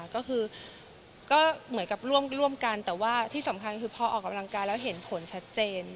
ก็เหมือนกับร่วมกันแต่สำคัญคือพอออกกำลังกาแล้วเห็นผลชัดเจน